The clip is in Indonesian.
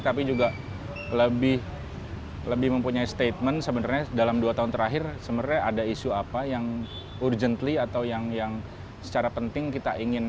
tapi juga lebih mempunyai statement sebenarnya dalam dua tahun terakhir sebenarnya ada isu apa yang urgently atau yang secara penting kita ingin